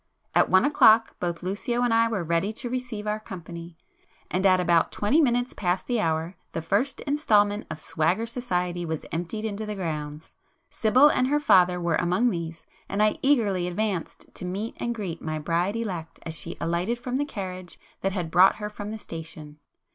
At one o'clock, both Lucio and I were ready to receive our company,—and at about twenty minutes past the hour, the first instalment of 'swagger society' was emptied into the grounds. Sibyl and her father were among these,—and I eagerly advanced to meet and greet my bride elect as she alighted from the carriage that had brought her from the station.